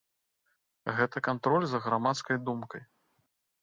Гэта кантроль за грамадскай думкай.